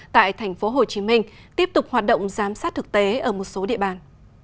tại tp hcm tiếp tục hoạt động giám sát thực tế ở một số địa bàn